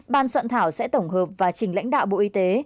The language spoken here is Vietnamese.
ban soạn thảo sẽ tổng hợp và trình lãnh đạo bộ y tế